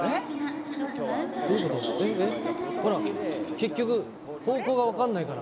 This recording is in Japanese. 結局方向が分かんないから。